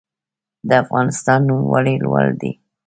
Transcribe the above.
د افغانستان نوم ولې لوړ دی؟